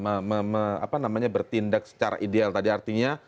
apa namanya bertindak secara ideal tadi artinya